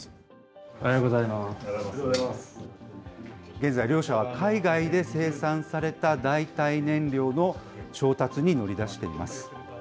現在、両社は海外で生産された代替燃料の調達に乗り出しています。